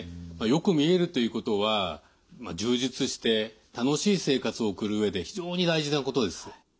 よく見えるということは充実して楽しい生活を送る上で非常に大事なことです。